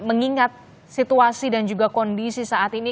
mengingat situasi dan juga kondisi saat ini